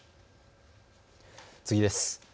次です。